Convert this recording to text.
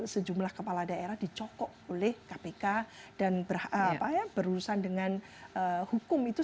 sejumlah kepala daerah dicokok oleh kpk dan berurusan dengan hukum itu